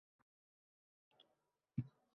Qulab tushgan uylari bosdi.